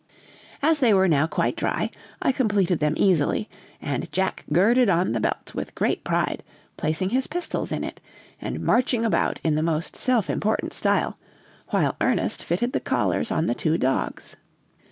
As they were now quite dry, I completed them easily, and Jack girded on the belt with great pride, placing his pistols in it, and marching about in the most self important style, while Ernest fitted the collars on the two dogs.